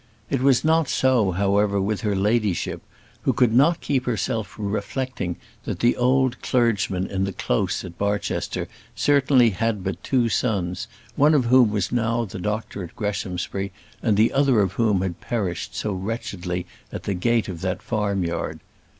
It was not so however with her ladyship, who could not keep herself from reflecting that the old clergyman in the Close at Barchester certainly had but two sons, one of whom was now the doctor at Greshamsbury, and the other of whom had perished so wretchedly at the gate of that farmyard.